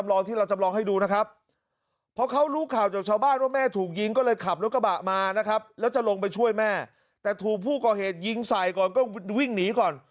แล้วจะลงไปช่วยแม่แต่ถูกผู้ก่อเหตุยิงใส่ก่อนก็วิ่งหนีก่อน